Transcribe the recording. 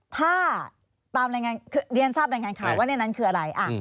ถ้าตามรายงานคือเรียนทราบรายงานข่าวว่าในนั้นคืออะไร